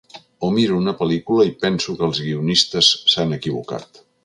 O miro una pel·lícula i penso que els guionistes s’han equivocat.